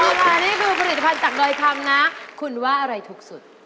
แล้วนี่คือผลิตภัณฑ์จากดอยค่ะมีคำนั้นคุณว่าอะไรถูกสุด